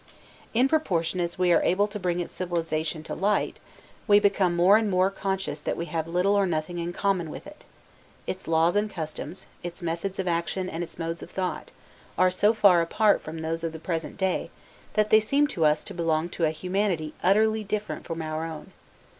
In proportion as we are able to bring its civilization to light, we become more and more conscious that we have little or nothing in common with it. Its laws and customs, its methods of action and its modes of thought, are so far apart from those of the present day, that they seem to us to belong to a humanity utterly different from our own.